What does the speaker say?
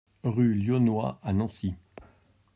Rue Lionnois à Nancy